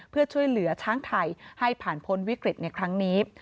เพื่อช่วยเหลือช้างไทยให้ผ่านพ้นวิกฤตในครั้งนี้